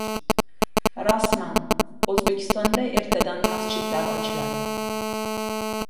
Rasman: O‘zbekistonda ertadan masjidlar ochiladi